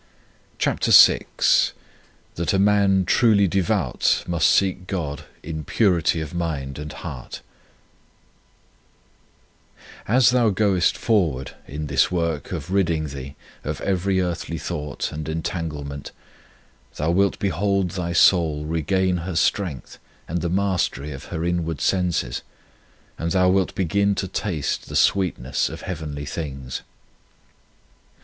CHAPTER VI THAT A MAN TRULY DEVOUT MUST SEEK GOD IN PURITY OF MIND AND HEART AS thou goest forward in this work of ridding thee of every earthly thought and entanglement thou wilt behold thy soul regain her strength and the mastery of her inward senses, and thou wilt begin to taste the sweetness of heavenly things.